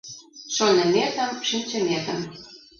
Шоныметым, шинчыметым